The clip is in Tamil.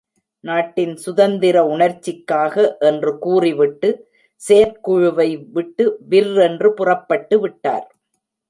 நாட்டின் சுதந்திர உணர்ச்சிக்காக என்று கூறிவிட்டு செயற்குழுவை விட்டு விர்ரென்றுப் புறப்பட்டு விட்டார்.